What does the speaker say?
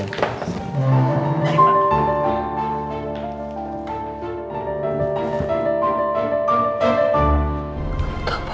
terima kasih pak